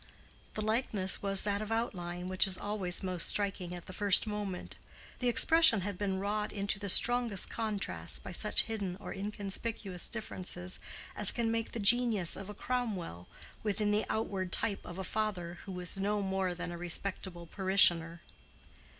The likeness was that of outline, which is always most striking at the first moment; the expression had been wrought into the strongest contrasts by such hidden or inconspicuous differences as can make the genius of a Cromwell within the outward type of a father who was no more than a respectable parishioner.